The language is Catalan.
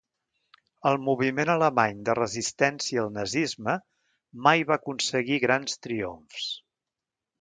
El moviment alemany de resistència al nazisme mai va aconseguir grans triomfs.